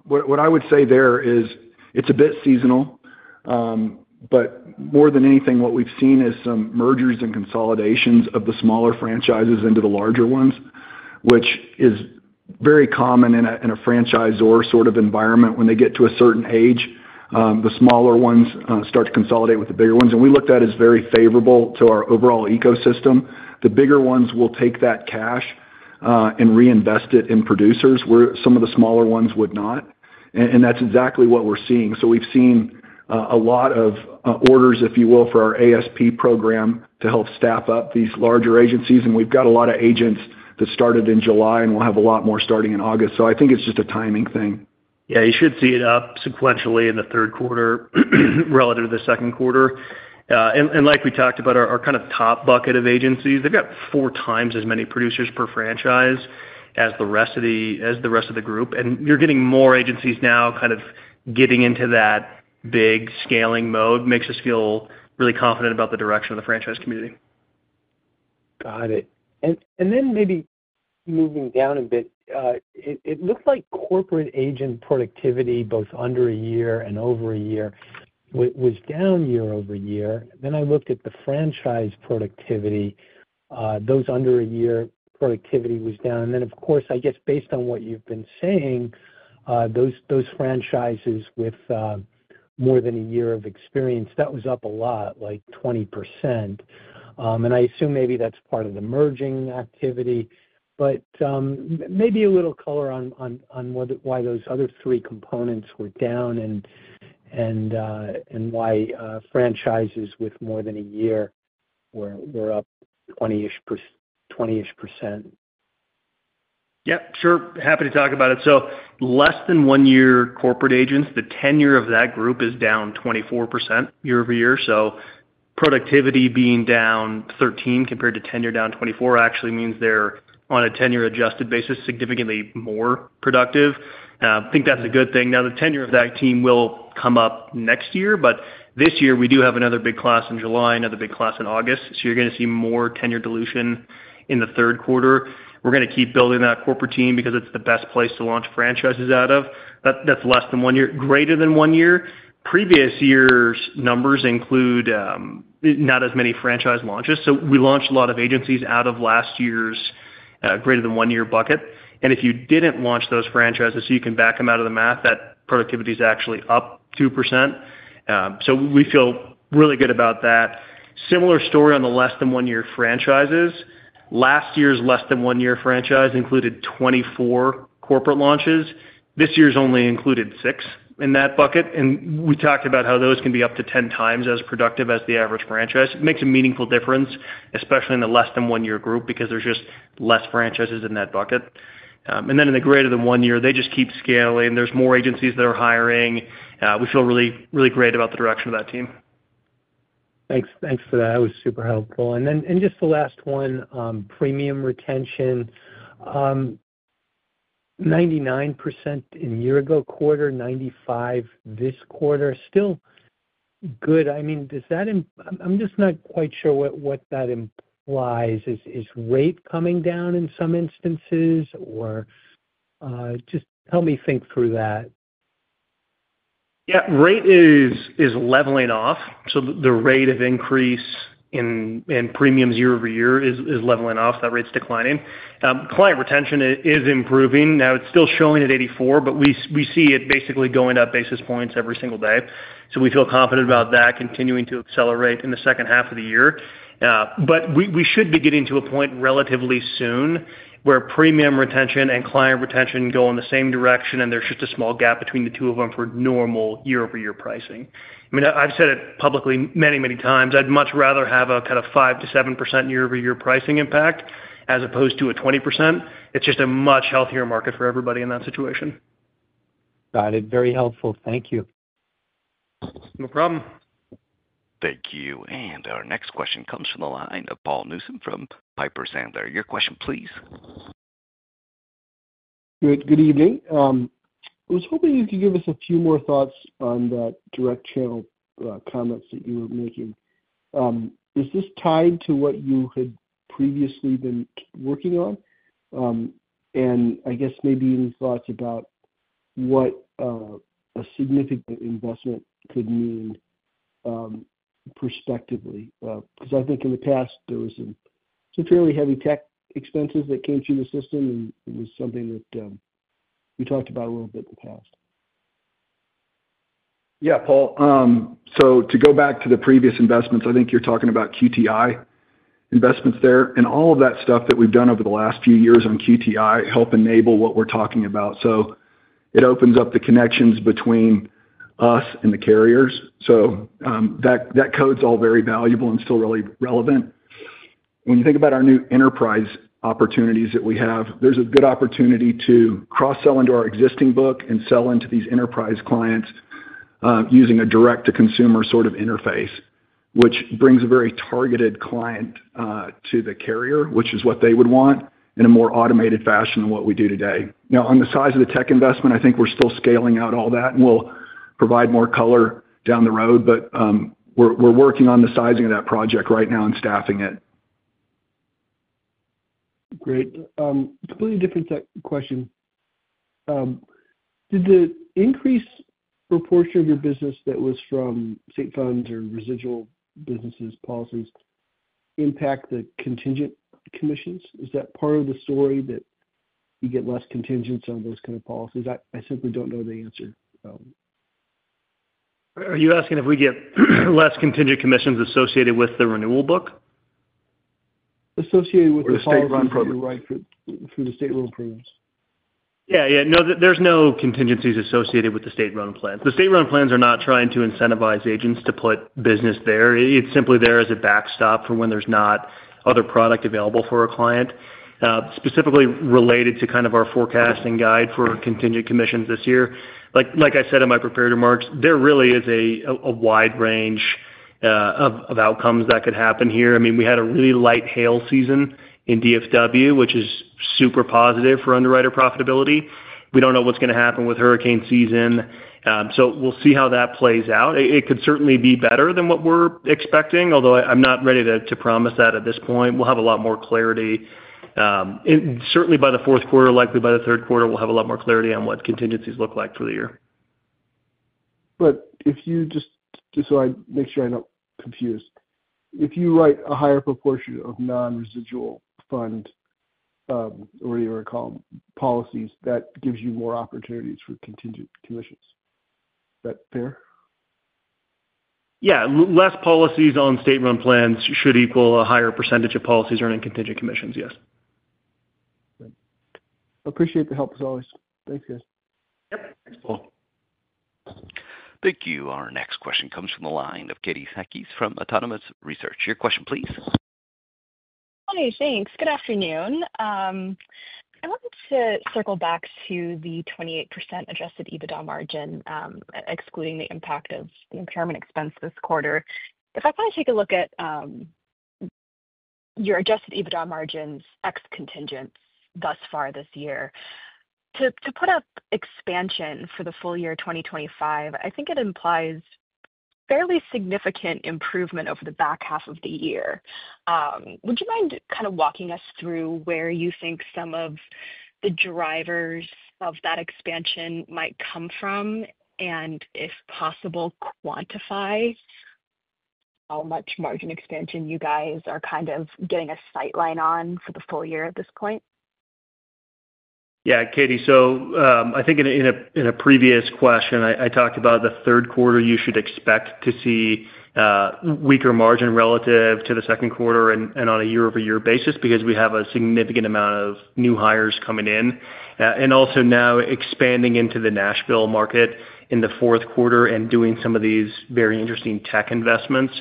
What I would say there is, it's a bit seasonal, but more than anything, what we've seen is some mergers and consolidations of the smaller franchises into the larger ones, which is very common in a franchisor sort of environment. When they get to a certain age, the smaller ones start to consolidate with the bigger ones. We look at that as very favorable to our overall ecosystem. The bigger ones will take that cash and reinvest it in producers, where some of the smaller ones would not. That's exactly what we're seeing. We've seen a lot of orders, if you will, for our Agency Staffing Program to help staff up these larger agencies. We've got a lot of agents that started in July, and we'll have a lot more starting in August. I think it's just a timing thing. You should see it up sequentially in the third quarter relative to the second quarter. Like we talked about, our kind of top bucket of agencies, they've got four times as many producers per franchise. As the rest of the group. You are getting more agencies now, kind of getting into that big scaling mode. It makes us feel really confident about the direction of the franchise community. Got it. Maybe moving down a bit, it looks like corporate agent productivity, both. Under a year and over a year. Was down year-over-year. I looked at the franchise productivity, those under a year productivity was down. Of course, I guess based on what you've been saying, those franchises with more than a year of experience, that was up a lot, like 20%. I assume maybe that's part of the merging activity, but maybe a little color on why those other three components were down and why franchises with more than a year were up 20%? Yeah, sure. Happy to talk about it. Less than one year corporate agents. The tenure of that group is down. 24% year-over-year. Productivity being down 13 compared to tenure down 24 actually means they're on a 10-year adjusted basis, significantly more productive. I think that's a good thing. The tenure of that team will come up next year, but this year we do have another big class in July, another big class in August. You're going to see more tenure dilution in the third quarter. We're going to keep building that corporate team because it's the best place to launch franchises out of that's less than one year, greater than one year. Previous year's numbers include not as many franchise launches. We launched a lot of agencies out of last year's greater than one year bucket. If you didn't launch those franchises so you can back them out of the math, that productivity is actually up 2%. We feel really good about that. Similar story on the less than one year franchises. Last year's less than one year franchise. Included 24 corporate launches. This year only included six in that bucket. We talked about how those can be up to 10x as productive as the average franchise. It makes a meaningful difference, especially in the less than one year group because there's. Just fewer franchises in that bucket. In the greater than one year, they just keep scaling. There's more agencies that are hiring. We feel really, really great about the direction of that team. Thanks for that. That was super helpful. Just the last one Premium retention 99% in year ago quarter, 95% this quarter, still good. I mean, does that, I'm just not quite sure what that implies. Is rate coming down in some instances, or just help me think through that. Yeah, rate is leveling off. The rate of increase in premiums year-over-year is leveling off. That rate's declining. Client retention is improving. Now it's still showing at 85, but we see it basically going up basis points every single day. We feel confident about that continuing to accelerate in the second half of the year. We should be getting to a point relatively soon where Premium retention and Client retention go in the same direction. There's just a small gap between the two of them for normal year- over-year pricing. I mean, I've said it publicly many, many times. I'd much rather have a kind of 5%-7% year-over-year pricing impact as opposed to a 20%. It's just a much healthier market for everybody in that situation. Got it. Very helpful, thank you. No problem. Thank you. Our next question comes from the line of Paul Newsome from Piper Sandler. Your question please. Good evening. I was hoping you could give us a few more thoughts on that direct channel comments that you were making. Is this tied to what you had previously been working on, and I guess maybe any thoughts about what a significant investment could mean prospectively? I think in the past there was some fairly heavy tech expenses that came through the system and was something that we talked about a little bit in the past. Yeah, Paul. To go back to the previous investments, I think you're talking about QTI investments there and all of that stuff that we've done over the last few years on QTI help enable what we're talking about. It opens up the connections between us and the carriers. That code's all very valuable and still really relevant. When you think about our new enterprise opportunities that we have, there's a good opportunity to cross sell into our existing book and sell into these enterprise clients using a direct-to-consumer sort of interface, which brings a very targeted client to the carrier, which is what they would want in a more automated fashion than what we do today. On the size of the tech investment, I think we're still scaling out all that and we'll provide more color down the road, but we're working on the sizing of that project right now and staffing it. Great. Completely different question. Did the increased proportion of your business that was from state-run and surplus lines or residual business policies impact the Contingent commissions? Is that part of the story that you get less contingents on those kind of policies? I simply don't know the answer. Are you asking if we get less Contingent commissions associated with the renewal book? Associated with the right through the state-run programs? Yeah, yeah. No, there's no contingencies associated with the state-run plans. The state-run plans are not trying to incentivize agents to put business there. It's simply there as a backstop for when there's not other product available for a client. Specifically related to kind of our forecast and guide for Contingent commissions this year, like I said in my prepared remarks, there really is a wide range of outcomes that could happen here. I mean, we had a really light hail season in DFW, which is super positive for underwriter profitability. We don't know what's going to happen with hurricane season, so we'll see how that plays out. It could certainly be better than what we're expecting, although I'm not ready to promise that at this point. We'll have a lot more clarity certainly by the fourth quarter, likely by the third quarter we'll have a lot more clarity on what contingencies look like for the year. If you write a higher proportion of non residual fund, I just want to make sure I don't confuse. You want to call them policies. That gives you more opportunities for Contingent commissions, is that fair? Yeah. Less policies on state-run and surplus lines plans should equal a higher percentage of policies earning Contingent commissions. Yes. Appreciate the help as always. Thanks, guys. Yeah. Thanks Paul. Thank you. Our next question comes from the line of Katie Sakys from Autonomous Research. Your question please. Hi, thanks. Good afternoon. I want to circle back to the 28% Adjusted EBITDA margin excluding the impact of the impairment expense this quarter. If I take a look at your Adjusted EBITDA margins X contingent thus far this year to put up expansion for the full year 2025, I think it implies fairly significant improvement over the back half of the year. Would you mind kind of walking us through where you think some of the drivers of that expansion might come from, and if possible quantify how much margin expansion you guys are kind of getting a sight line on for the full year at this point. Yeah, Katie. I think in a previous question I talked about the third quarter. You should expect to see weaker margin relative to the second quarter and on a year-over-year basis because we have a significant amount of new hires coming in and also now expanding into the Nashville market in the fourth quarter and doing some of these very interesting tech investments,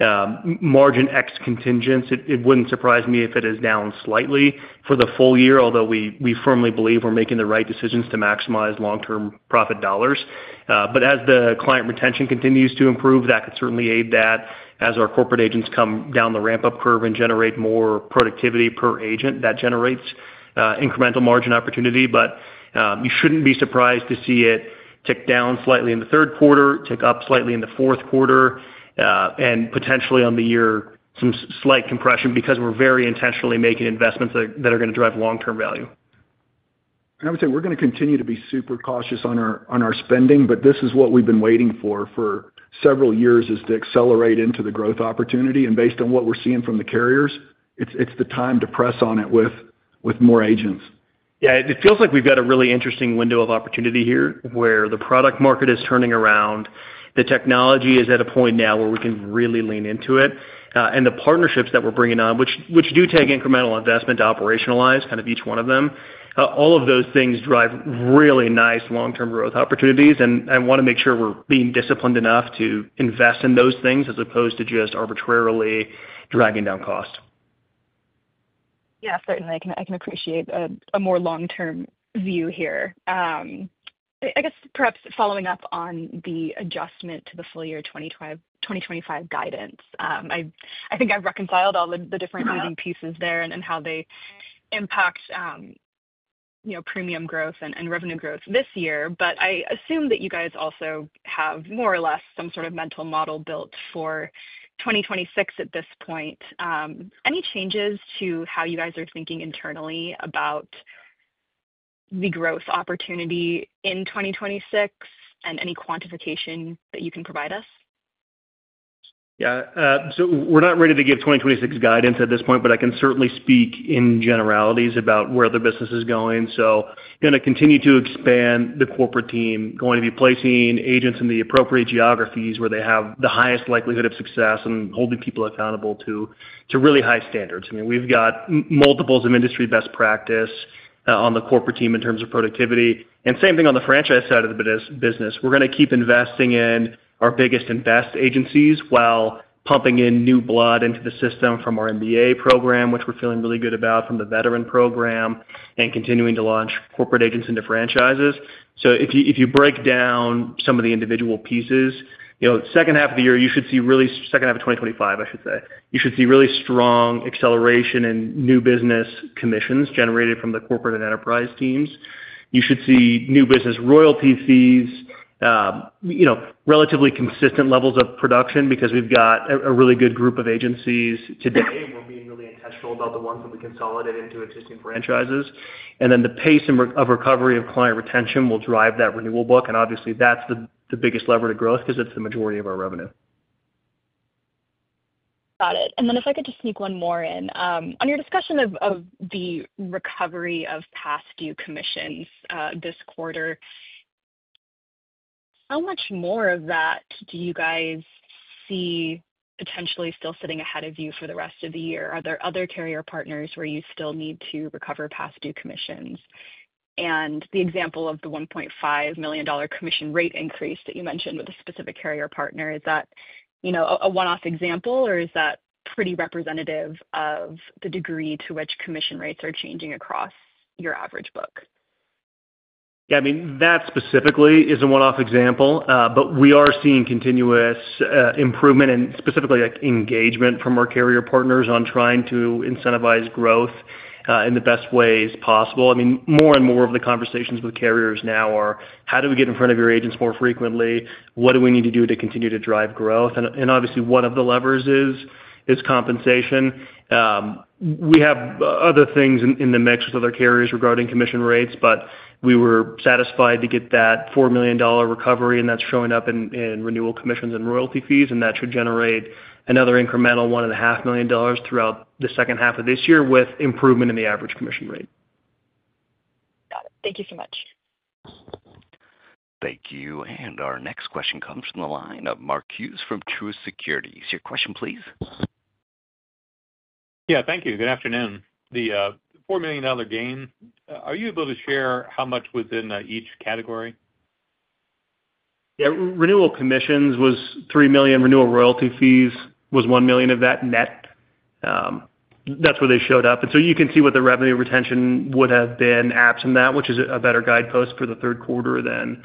margin X contingents. It wouldn't surprise me if it is down slightly for the full year, although we firmly believe we're making the right decisions to maximize long-term profit dollars. As the Client retention continues to improve, that could certainly aid that as our Corporate agents come down the ramp-up curve and generate more productivity per agent. That generates incremental margin opportunity. You shouldn't be surprised to see it tick down slightly in the third quarter, tick up slightly in the fourth quarter, and potentially on the year some slight compression because we're very intentionally making investments that are going to drive long-term value. I would say we're going to continue to be super cautious on our spending, but this is what we've been waiting for for several years, to accelerate into the growth opportunity, and based on what we're seeing from the carriers, it's the time to press on it with more agents. Yeah, it feels like we've got a really interesting window of opportunity here where the product market is turning around, the technology is at a point now where we can really lean into it. The partnerships that we're bringing on, which do take incremental investment to operationalize each one of them. All of those things drive really nice long-term growth opportunities, and I want to make sure we're being disciplined enough to invest in those things as opposed to just arbitrarily dragging down cost. Yeah, certainly I can appreciate a more long term view here. I guess perhaps following up on the adjustment to the full year 2025 guidance. I think I've reconciled all the different moving pieces there and how they impact premium growth and revenue growth this year. I assume that you guys also have more or less some sort of mental model built for 2026 at this point. Any changes to how you guys are thinking internally about the growth opportunity in 2026 and any quantification that you can provide us? Yeah, we're not ready to give 2026 guidance at this point, but I can certainly speak in generalities about where the business is going. Going to continue to expand the corporate team, going to be placing agents in the appropriate geographies where they have the highest likelihood of success, and holding people accountable to really high standards. I mean, we've got multiples of industry best practice on the corporate team in terms of productivity, and same thing on the franchise side of the business. We're going to keep investing in our biggest and best agencies while pumping in new blood into the system from our MBA program, which we're feeling really good about, from the veteran program and continuing to launch corporate agents into franchises. If you break down some of the individual pieces, you know, second half of the year you should see really second half of 2025, I should say. You should see really strong acceleration in new business commissions generated from the corporate and enterprise teams. You should see new business royalty fees at relatively consistent levels of production because we've got a really good group of agencies today. We're being really intentional about the ones that we consolidate into existing franchises. The pace of recovery of Client retention will drive that renewal book. Obviously, that's the biggest lever too growth because it's the majority of our revenue. Got it. If I could just sneak one more in on your discussion of the recovery of past due commissions this quarter, how much more of that do you guys see potentially still sitting ahead of you for the rest of the year? Are there other carrier partners where you still need to recover past due commissions? The example of the $1.5 million commission rate increase that you mentioned with a specific carrier partner, is that a one-off example or is that pretty representative of the degree to which commission rates are changing across your average book? Yeah, that specifically is a one-off example, but we are seeing continuous improvement and specifically engagement from our carrier partners on trying to incentivize growth in the best ways possible. More and more of the conversations with carriers now are how do we get in front of your agents more frequently? What do we need to do to continue to drive growth? Obviously, one of the levers is compensation. We have other things in the mix with other carriers regarding commission rates, but we were satisfied to get that $4 million recovery, and that's showing up in renewal commissions and royalties fees. That should generate another incremental $1.5 million throughout the second half of this. Year with improvement in the average commission rate. Got it. Thank you so much. Thank you. Our next question comes from the line of Mark Hughes from Truist Securities. Your question, please. Thank you. Good afternoon. The $4 million gain, are you able to share how much was in each category? Yeah, renewal commissions was $3 million renewal royalty fees was $1 million of that net. That's where they showed up. You can see what the revenue retention would have been absent that, which is a better guidepost for the third quarter than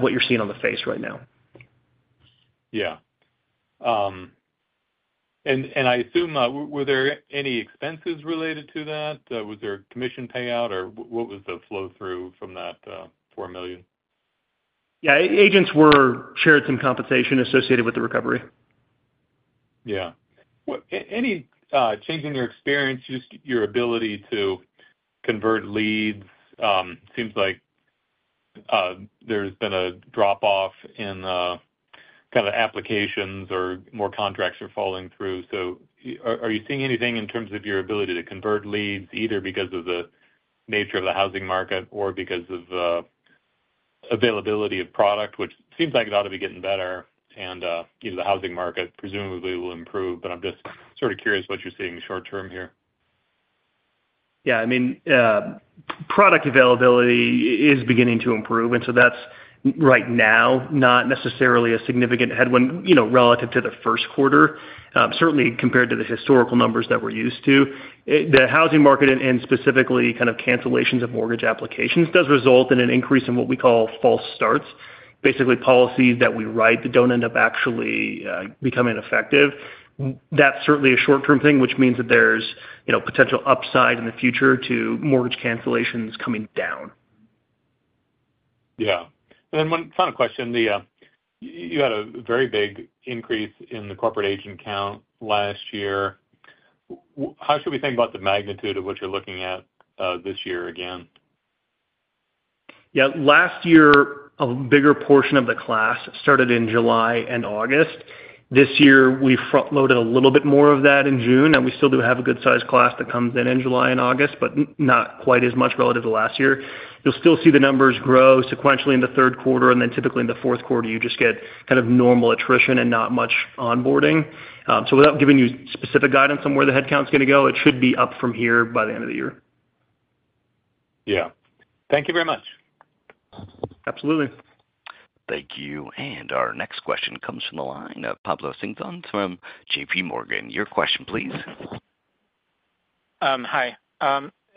what you're seeing on the face right now. Yeah. I assume, were there any expenses related to that? Was there commission payout, or what was the flow through from that $4 million? Yeah. Agents were shared some compensation associated with the recovery. Yeah. Any change in your experience? Just your ability to convert leads. It seems like there's been a drop off in kind of applications or more contracts are falling through. Are you seeing anything in terms of your ability to convert leads either because of the nature of the housing market or because of availability of product, which seems like it ought to be getting better and the housing market presumably will improve? I'm just sort of curious what you're seeing short term here. Yeah, I mean product availability is beginning to improve. That's right now not necessarily a significant headwind relative to the first quarter. Certainly compared to the historical numbers that we're used to. The housing market and specifically kind of cancellations of mortgage applications does result in an increase in what we call false starts, basically policies that we write that don't end up actually becoming effective. That's certainly a short term thing, which means that there's potential upside in the future to mortgage cancellations coming down. Yeah. One final question. You had a very big increase in the corporate agent count last year. How should we think about the magnitude of what you're looking at this year again? Yeah, last year a bigger portion of the class started in July and August. This year we front loaded a little bit more of that in June. We still do have a good sized class that comes in in July and August, but not quite as much relative to last year. You'll still see the numbers grow sequentially in the third quarter, and typically in the fourth quarter you just get kind of normal attrition and not much onboarding. Without giving you specific guidance on where the headcount's going to go, it. Should be up from here by the end of the year. Yeah. Thank you very much. Absolutely. Thank you. Our next question comes from the line of Pablo Singzon from JPMorgan. Your question please. Hi.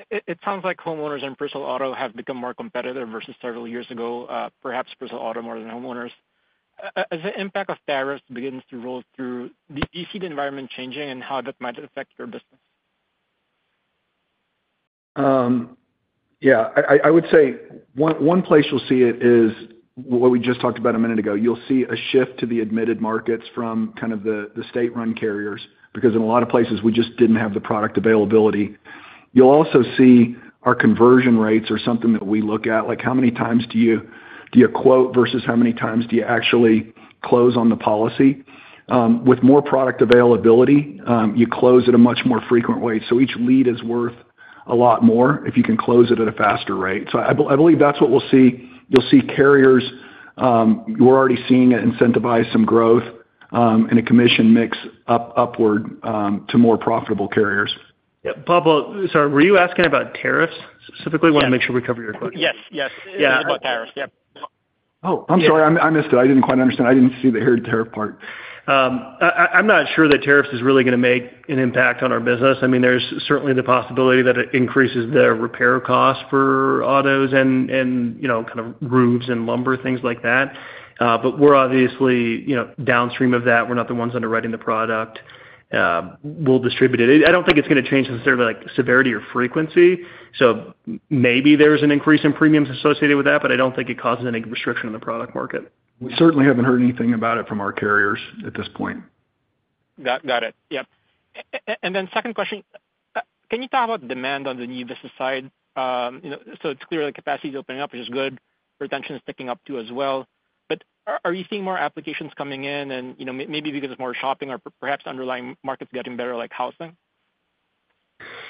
It sounds like homeowners and personal auto have become more competitive versus several years ago, perhaps Bristol Auto more than homeowners. As the impact of tariffs begins to roll through, do you see the environment changing and how that might affect your business? Yeah, I would say one place you'll see it is what we just talked about a minute ago. You'll see a shift to the admitted markets from kind of the state-run carriers because in a lot of places we just didn't have the product availability. You'll also see our conversion rates are something that we look at, like how many times do you quote versus how many times do you actually close on the policy. With more product availability, you close at a much more frequent rate. Each lead is worth a lot more if you can close it at a faster rate. I believe that's what we'll see. You'll see carriers, we're already seeing it, incentivize some growth and a commission mix upward to more profitable carriers. Pablo, were you asking about tariffs specifically? Want to make sure we cover your questions. Yes, yes. Oh, I'm sorry, I missed it. I didn't quite understand. I didn't see the carrier tariff part. I'm not sure that tariffs is really going to make an impact on our business. I mean, there's certainly the possibility that it increases the repair cost for autos and, you know, kind of roofs and lumber, things like that. We're obviously downstream of that. We're not the ones underwriting the product. We'll distribute it. I don't think it's going to change in terms of like severity or frequency. Maybe there's an increase in premiums associated with that, but I don't think. It causes any restriction in the product market. We certainly haven't heard anything about it from our carriers at this point. Got it. Yeah. Can you talk about demand on the new business side? It's clear that capacity is opening up, which is good. Retention is picking up too as well. Are you seeing more applications coming in and maybe because of more shopping or perhaps underlying markets getting better, like housing?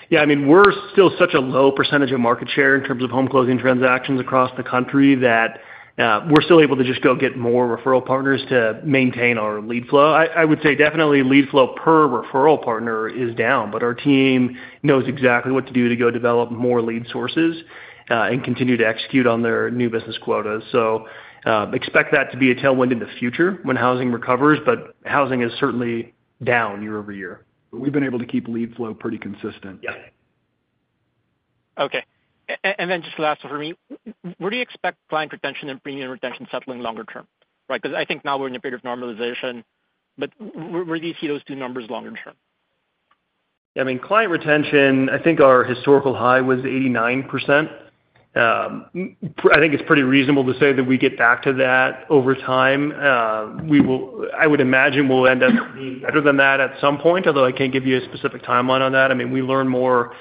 Yeah, I mean, we're still such a low percentage of market share in terms of home closing transactions across the country that we're still able to just go get more referral partners to maintain our lead flow. I would say definitely lead flow per referral partner is down. Our team knows exactly what to do go develop more lead sources. They continue to execute on their new business quotas. Expect that to be a tailwind. In the future when housing recovers, housing is certainly down year-over-year. We have been able to keep lead flow pretty consistent. Yeah Okay. Just last one for me. Where do you expect Client retention and Premium retention settling longer term? Right. I think now we're in a period of normalization. Where do you see those two numbers longer term? Client retention, I think our historical high was 89%. I think it's pretty reasonable to say that we get back to that over time. We will I would imagine we'll end up being better than that at some point. Although I can't give you a specific timeline on that. We learn more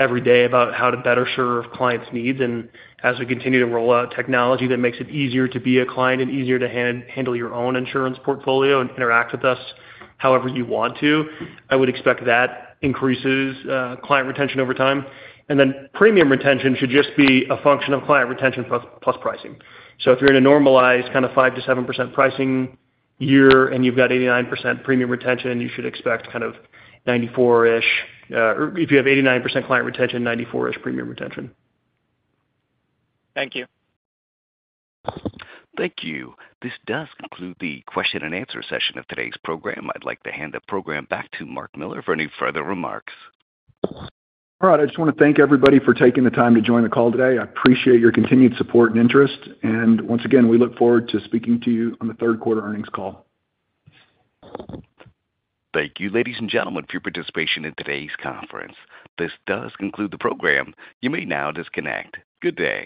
every day about how to better serve clients' needs, and as we continue to roll out technology that makes it easier to be a client and easier to handle your own insurance portfolio and interact with us. However you want to I would expect that increases Client retention over time, and then Premium retention should just be a function of Client retentionplus pricing. If you're in a normalized kind of 5% to 7% pricing year and you've got 89% Premium retention, you should expect kind of 94%. If you have 89% Client retention, 94% Premium retention. Thank you. Thank you. This does conclude the question and answer session of today's program. I'd like to hand the program back to Mark Miller for any further remarks. All right. I just want to thank everybody for taking the time to join the call today. I appreciate your continued support and interest. We look forward to speaking to you on the Third Quarter Earnings Call. Thank you, ladies and gentlemen, for your participation in today's conference. This does conclude the program. You may now disconnect. Good day.